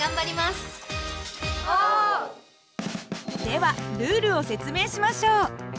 ではルールを説明しましょう。